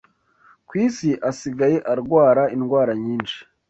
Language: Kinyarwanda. ku isi asigaye arwara indwara nyinshi,